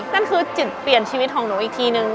นั่นคือจุดเปลี่ยนชีวิตของหนูอีกทีนึง